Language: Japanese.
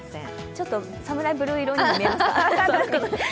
ちょっとサムライブルー色に見えます。